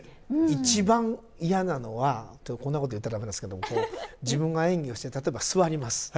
一番嫌なのはってこんなこと言ったら駄目ですけど自分が演技をして例えば座ります。